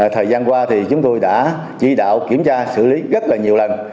thời gian qua thì chúng tôi đã chỉ đạo kiểm tra xử lý rất là nhiều lần